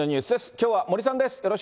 きょうは森さんです。